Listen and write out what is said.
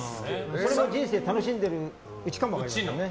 これも人生楽しんでるうちかも分からないのでね。